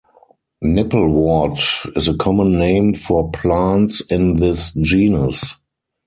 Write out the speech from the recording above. Nipplewort is a common name for plants in this genus.